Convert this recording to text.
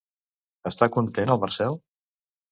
Està content el Marcel?